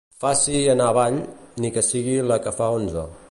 Faci anar avall, ni que sigui la que fa onze.